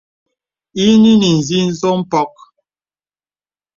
Ìnə nə̀ inzì nzo mpɔk.